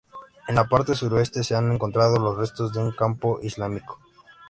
En la parte suroeste se han encontrado los restos de un campo islámico.